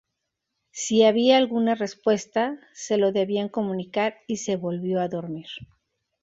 Si había alguna respuesta se lo debían comunicar y se volvió a dormir.